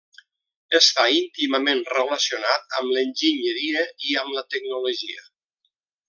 Està íntimament relacionat amb l'enginyeria i amb la tecnologia.